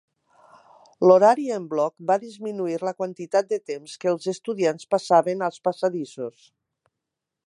L'horari en bloc va disminuir la quantitat de temps que els estudiants passaven als passadissos.